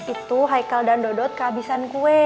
itu aikal dan dodo kehabisan kue